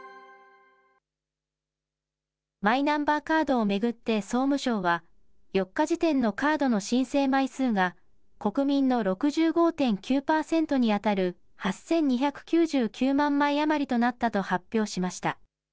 マイナンバーカードを巡って総務省は、４日時点のカードの申請枚数が、国民の６５．９％に当たる８２９９万枚余りとなったと発表しました。